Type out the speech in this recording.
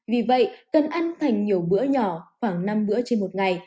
vì vậy cần ăn thành nhiều bữa nhỏ khoảng năm bữa trên một ngày